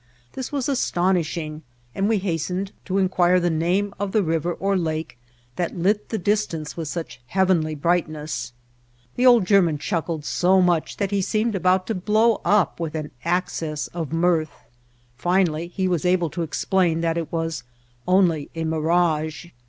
This was astonishing and we hast ened to inquire the name of the river or lake [si] White Heart of Mojave that lit the distance with such heavenly bright ness. The old German chuckled so much that he seemed about to blow up with access of mirth. Finally he was able to explain that it was only a mirage.